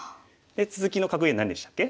続きの格言何でしたっけ？